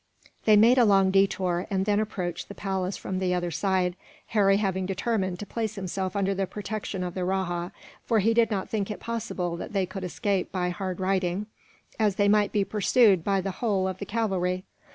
They made a long detour, and then approached the palace from the other side; Harry having determined to place himself under the protection of the rajah, for he did not think it possible that they could escape by hard riding, as they might be pursued by the whole of the cavalry.